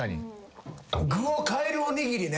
具をかえるおにぎりね。